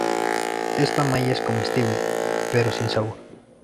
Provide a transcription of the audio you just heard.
Esta malla es comestible, pero sin sabor.